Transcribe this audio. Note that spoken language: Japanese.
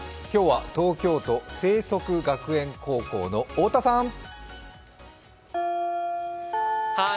今日は東京都正則学園高校の太田さん。